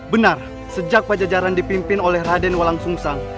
benar sejak pajajaran dipimpin oleh raden walang sumsang